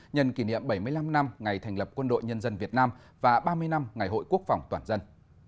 nhân kỷ niệm bảy mươi năm năm ngày thành lập quân đội nhân dân việt nam và ba mươi năm ngày hội quốc phòng toàn dân